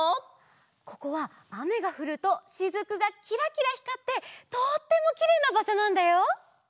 ここはあめがふるとしずくがキラキラひかってとってもきれいなばしょなんだよ！